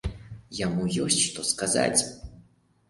Яму ёсць што сказаць.